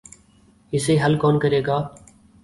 اسے حل کون کرے گا؟